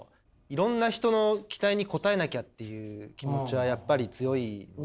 いろんな人の期待に応えなきゃっていう気持ちはやっぱり強いので。